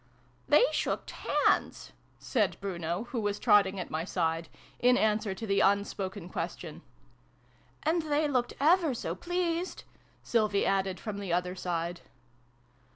" THEY shocked hands," said Bruno, who was trotting at my side, in answer to the un spoken question. " And they looked ever so pleased !" Sylvie added from the other side.